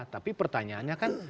tapi pertanyaannya kan